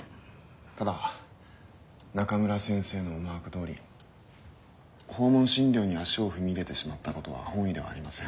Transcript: ただ中村先生の思惑どおり訪問診療に足を踏み入れてしまったことは本意ではありません。